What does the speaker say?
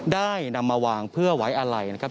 ได้นำมาวางเพื่อไว้อาลัยนะครับ